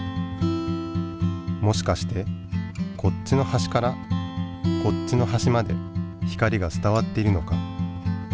もしかしてこっちのはしからこっちのはしまで光が伝わっているのか？